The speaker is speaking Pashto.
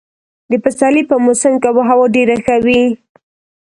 د پسرلي په موسم کې اب هوا ډېره ښه وي.